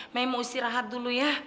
mei mau istirahat dulu ya